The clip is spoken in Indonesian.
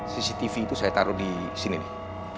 cctv itu saya taruh di sini nih